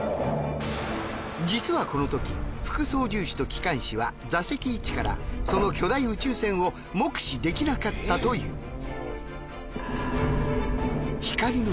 実はこのとき副操縦士と機関士は座席位置からその巨大宇宙船を目視できなかったという。